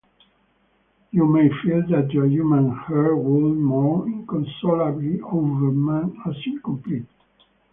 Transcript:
You may feel that your human heart would mourn inconsolably over man as incomplete.